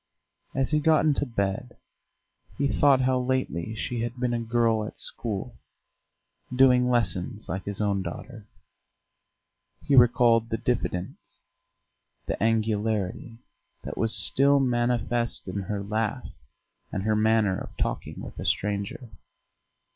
As he got into bed he thought how lately she had been a girl at school, doing lessons like his own daughter; he recalled the diffidence, the angularity, that was still manifest in her laugh and her manner of talking with a stranger.